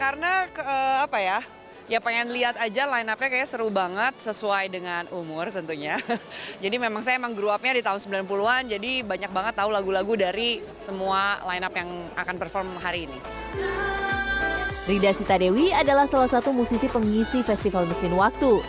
rida sita dewi adalah salah satu musisi pengisi festival mesin waktu